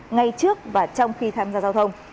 ngay trước và trong khi tham gia giao thông